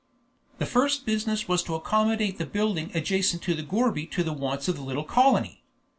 The first business was to accommodate the building adjacent to the gourbi to the wants of the little colony.